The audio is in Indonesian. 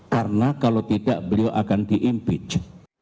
karena kalau tidak beliau akan diimpeach